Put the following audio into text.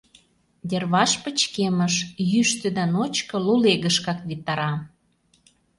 Йырваш пычкемыш: йӱштӧ да ночко лулегышкак витара.